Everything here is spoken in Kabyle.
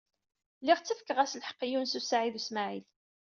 Lliɣ ttakfeɣ-as lḥeqq i Yunes u Saɛid u Smaɛil.